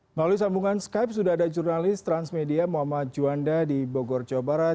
melalui sambungan skype sudah ada jurnalis transmedia muhammad juanda di bogor jawa barat